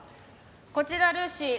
こちらルーシー。